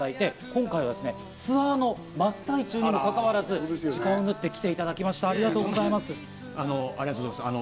今回はツアーの真っ最中にも関わらず、時間を縫って来ていただきました。